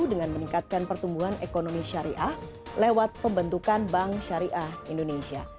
dengan meningkatkan pertumbuhan ekonomi syariah lewat pembentukan bank syariah indonesia